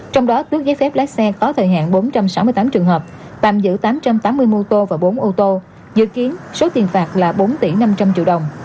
trong đó tước giấy phép lái xe có thời hạn bốn trăm sáu mươi tám trường hợp tạm giữ tám trăm tám mươi mô tô và bốn ô tô dự kiến số tiền phạt là bốn tỷ năm trăm linh triệu đồng